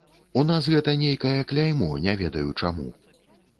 У нас гэта нейкае кляймо, не ведаю, чаму.